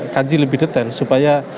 kaji lebih detail supaya